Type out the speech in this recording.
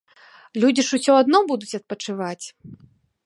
Людзі ж усё адно будуць адпачываць.